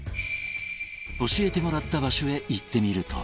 教えてもらった場所へ行ってみると